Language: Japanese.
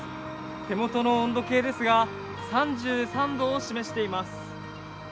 手元の温度計ですが、３３度を示しています。